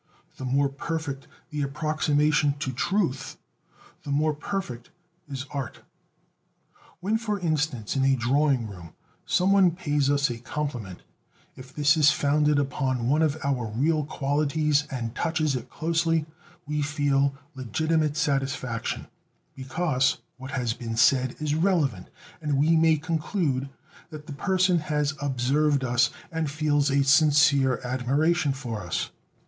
The more perfect the approximation to truth, the more perfect is art. When, for instance, in a drawing room, some one pays us a compliment, if this is founded upon one of our real qualities, and touches it closely, we feel legitimate satisfaction, because what has been said is relevant, and we may conclude that the person has observed us and feels a sincere admiration for us.